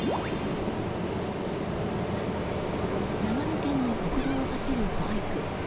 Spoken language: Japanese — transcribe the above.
長野県の国道を走るバイク。